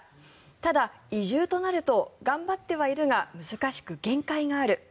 ただ移住となると頑張ってはいるが難しく、限界がある。